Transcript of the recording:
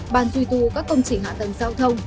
bàn truy tù các công trình hạ tầng giao thông